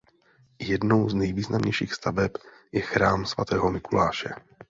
Jednou z nejvýznamnějších staveb je chrám svatého Mikuláše.